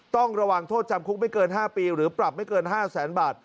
ต้องระวังโทษจำคุกไม่เกิน๕ปีหรือปรับไม่เกิน๕แสนบาท